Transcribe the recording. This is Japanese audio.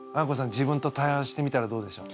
自分と対話してみたらどうでしょう？